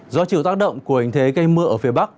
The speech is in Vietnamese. do chiều tác động của hình thế cây mưa ở phía bắc